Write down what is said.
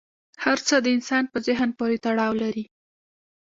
هر څه د انسان په ذهن پورې تړاو لري.